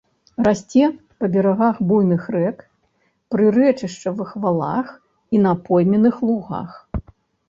Расце па берагах буйных рэк, прырэчышчавых валах і на пойменных лугах.